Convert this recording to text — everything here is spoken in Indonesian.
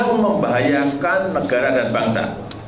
yang membahayakan negara dan bangsa